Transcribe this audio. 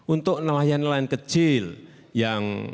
untuk nelayan nelayan kecil yang